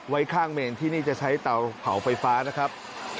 ไว้ข้างเมนที่นี่จะใช้เตาเผาไฟฟ้านะครับ